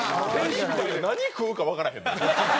何食うかわからへんもん。